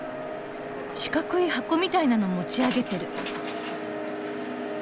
四角い箱みたいなの持ち上げてる。